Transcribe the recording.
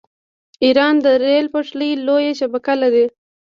ایران د ریل پټلۍ لویه شبکه لري.